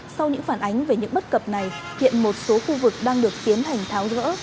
sau những phản ánh về những bất cập này hiện một số khu vực đang được tiến hành tháo gỡ